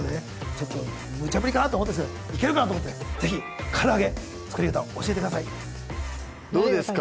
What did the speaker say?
ちょっとむちゃぶりかなと思ったんですがいけるかなと思って是非からあげの作り方を教えてくださいどうですか？